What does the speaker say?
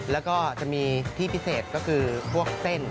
แล้วก็จะมีที่พิเศษก็คือพวกเส้น